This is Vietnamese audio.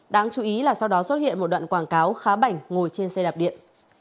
đáng chú ý là sau đó xuất hiện một đoạn quảng cáo khá bảnh ngồi trên xe đạp điện